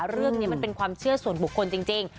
เรื่องนี้มันเป็นความเชื่อส่วนบุคคลจริง